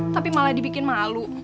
tapi malah dibikin malu